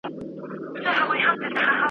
له اوله خدای پیدا کړم له خزان سره همزولی ,